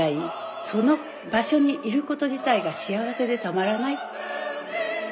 その場所にいること自体が幸せでたまらない。